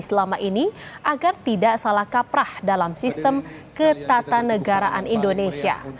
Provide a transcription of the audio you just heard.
selama ini agar tidak salah kaprah dalam sistem ketatanegaraan indonesia